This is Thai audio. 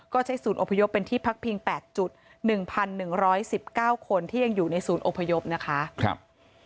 ก็ใช้ศูนย์อพยพเป็นที่พักพิง๘๑๑๑๙คนที่ยังอยู่ในศูนย์อพยพนะคะ